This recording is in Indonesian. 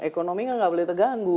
ekonomi kan nggak boleh terganggu